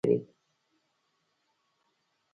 اوړي د افغان ښځو په ژوند کې رول لري.